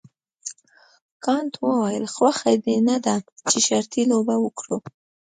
کانت وویل خوښه دې نه ده چې شرطي لوبه وکړو.